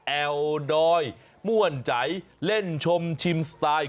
แอวดอยม่วนใจเล่นชมชิมสไตล์